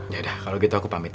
yaudah kalau gitu aku pamit ya